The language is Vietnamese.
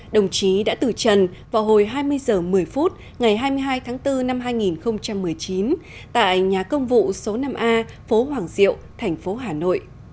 đồng chí đã từ trần vào hồi hai mươi h một mươi phút ngày hai mươi hai tháng bốn năm hai nghìn một mươi chín tại nhà công vụ số năm a phố hoàng diệu thành phố hà nội